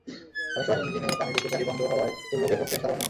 অনেক সময় ইঞ্জিনে পানি ঢুকে গাড়ি বন্ধ হওয়ায় দুর্ভোগে পড়ছেন সাধারণ মানুষ।